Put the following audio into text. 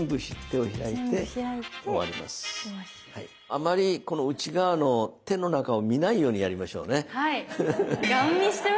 あまりこの内側の手の中を見ないようにやりましょうね。